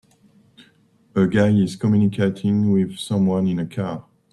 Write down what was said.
A guy is communicating with someone in a car.